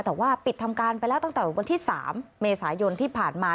แต่ว่าปิดทำการไปแล้วตั้งแต่วันที่๓เมษายนที่ผ่านมา